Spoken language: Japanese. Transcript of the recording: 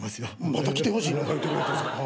「また来てほしい」なんか言ってくれてるんすか？